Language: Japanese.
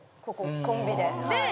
ここコンビで。